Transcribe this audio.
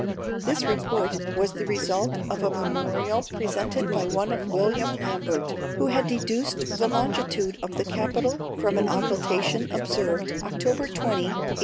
This report was the result of a memorial presented by one William Lambert, who had deduced the longitude of the Capitol from an occultation observed October 20, 1804.